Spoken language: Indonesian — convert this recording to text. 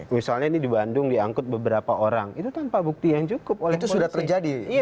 misalnya dibandung diangkut beberapa orang itu tanpa bukti yang cukup oleh sudah terjadi